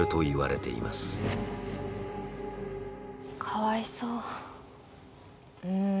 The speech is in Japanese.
かわいそう。